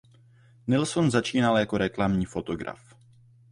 Nilsson začínal jako reklamní fotograf.